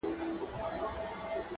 چا منلی چا له یاده دی ایستلی؛